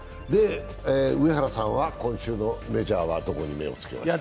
上原さんは今週のメジャーはどこに目をつけました？